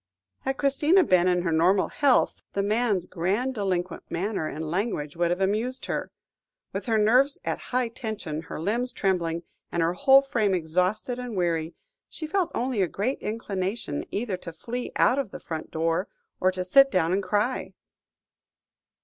Had Christina been in her normal health, the man's grandiloquent manner and language would have amused her. With her nerves at high tension, her limbs trembling, and her whole frame exhausted and weary, she felt only a great inclination either to flee out of the front door, or to sit down and cry.